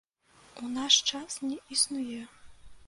У наш час не існуе.